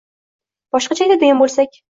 boshqacha aytadigan bo‘lsak